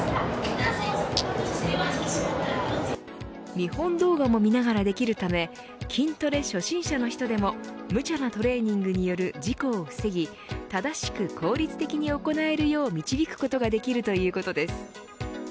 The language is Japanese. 見本動画も見ながらできるため筋トレ初心者の人でもむちゃなトレーニングによる事故を防ぎ正しく効率的に行えるよう導くことができるということです。